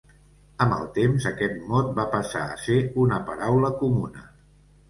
Amb el temps aquest mot va passar a ser una paraula comuna.